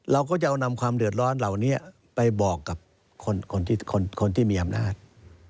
เราก็จะเอานำความเดือดร้อนเหล่านี้ไปบอกกับคนที่มีอำนาจ